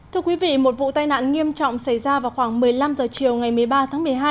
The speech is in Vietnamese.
thưa quý vị một vụ tai nạn nghiêm trọng xảy ra vào khoảng một mươi năm h chiều ngày một mươi ba tháng một mươi hai